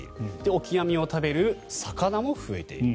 オキアミを食べる魚も増えている。